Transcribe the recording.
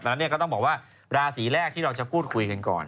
ดังนั้นก็ต้องบอกว่าราศีแรกที่เราจะพูดคุยกันก่อน